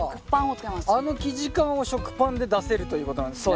あの生地感を食パンで出せるということなんですね。